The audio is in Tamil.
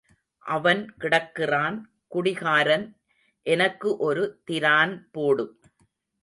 அவன் கிடக்கிறான் குடிகாரன் எனக்கு ஒரு திரான் போடு.